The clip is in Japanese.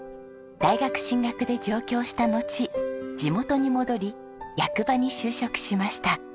大学進学で上京したのち地元に戻り役場に就職しました。